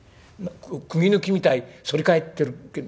くぎ抜きみたい反り返ってるけど。